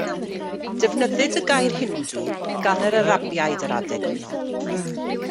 Defnyddid y gair Hindŵ gan yr Arabiaid yr adeg honno.